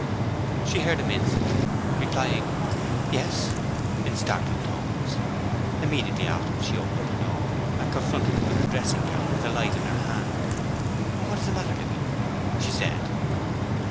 She heard him instantly, replying 'Yes' in startled tones. Immediately afterwards she opened her door, and confronted him in her dressing gown, with a light in her hand. 'What is the matter, Louis?' she said.